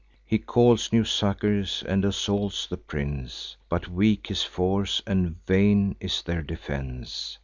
He calls new succours, and assaults the prince: But weak his force, and vain is their defence.